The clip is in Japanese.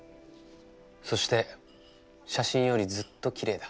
そして写真よりずっときれいだ。